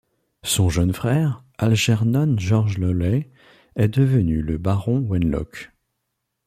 Son jeune frère, Algernon George Lawley, est devenu le baron Wenlock.